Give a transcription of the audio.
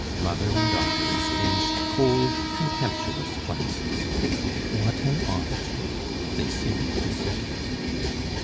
Mother and daughter exchanged cold, contemptuous glances. "What an oddity!" they seemed to say.